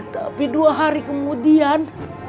tapi dua hari kemudian